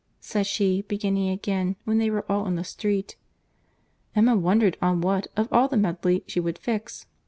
said she, beginning again when they were all in the street. Emma wondered on what, of all the medley, she would fix.